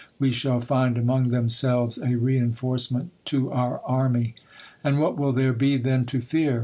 We shall find among them 1 selves a reinforcement to our army. And what will there be then to fear